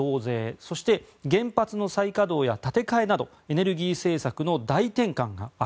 そして原発の再稼働や建て替えなどエネルギー政策の大転換がある。